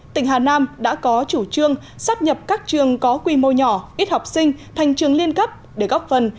tỉnh hà nam đã có chủ trương sắp nhập các trường có quy mô nhỏ ít học sinh thành trường liên cấp để góp phần